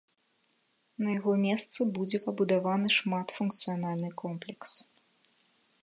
На яго месцы будзе пабудаваны шматфункцыянальны комплекс.